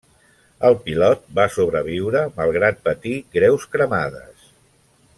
El pilot va sobreviure malgrat patir greus cremades.